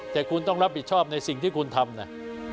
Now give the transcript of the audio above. แต่คุณต้องรับผิดชอบในสิ่งที่คุณทำนะ